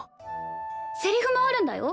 セリフもあるんだよ。